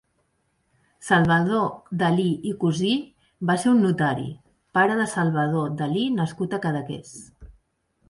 Salvador Dalí i Cusí va ser un notari, pare de Salvador Dalí nascut a Cadaqués.